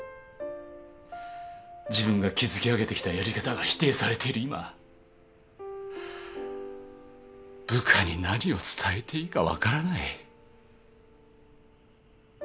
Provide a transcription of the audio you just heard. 自分が築き上げてきたやり方が否定されている今部下に何を伝えていいか分からない。